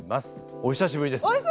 お久しぶりですよ！